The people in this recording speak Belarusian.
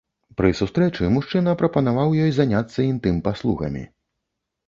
Пры сустрэчы мужчына прапанаваў ёй заняцца інтым-паслугамі.